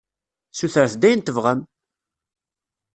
Ssutret-d ayen tebɣam!